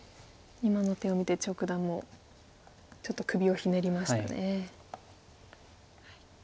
今の手を見て張九段ちょっと首をひねりましたね。